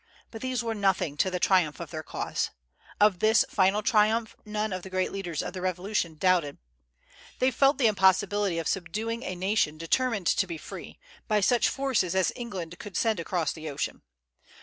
But these were nothing to the triumph of their cause. Of this final triumph none of the great leaders of the Revolution doubted. They felt the impossibility of subduing a nation determined to be free, by such forces as England could send across the ocean.